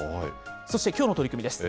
そしてきょうの取組です。